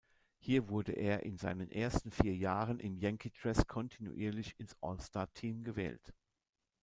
Hier wurde er in seinen ersten vier Jahren im Yankee-Dress kontinuierlich ins All-Star-Team gewählt.